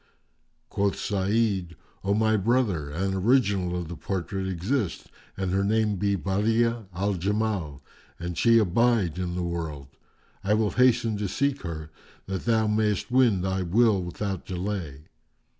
Quoth Sa'id, "O my brother, an the original of the portrait exist and her name be Badi'a al Jamal, and she abide in the world, I will hasten to seek her, that thou mayst win thy will without delay.